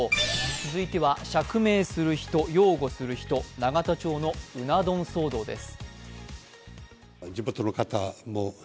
続いては釈明する人、する人、永田町のうな丼騒動です。